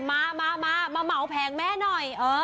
มามาเหมาแผงแม่หน่อย